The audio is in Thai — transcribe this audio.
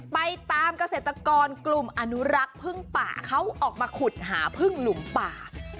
ไปตามเกษตรกรกลุ่มอนุรักษ์พึ่งป่าเขาออกมาขุดหาพึ่งหลุมป่า